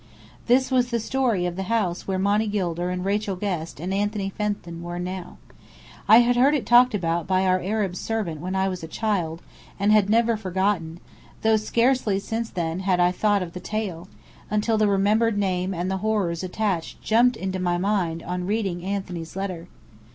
This was the story of the house where Monny Gilder and Rachel Guest and Anthony Fenton were now. I had heard it talked about by our Arab servants when I was a child, and had never forgotten, though scarcely since then had I thought of the tale, until the remembered name and the horrors attached to it jumped into my mind on reading Anthony's letter.